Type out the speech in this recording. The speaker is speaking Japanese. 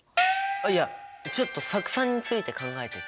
いやちょっと酢酸について考えてて。